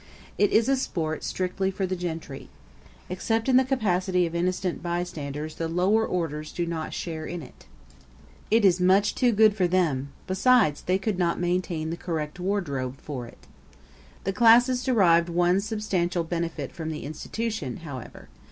It is a sport strictly for the gentry. Except in the capacity of innocent bystanders the lower orders do not share in it. It is much too good for them; besides, they could not maintain the correct wardrobe for it. The classes derive one substantial benefit from the institution however.